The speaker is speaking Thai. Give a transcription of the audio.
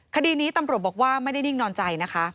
คดีนี้ตำรวจบอกว่าไม่ได้นิ่งนอนใจนะคะ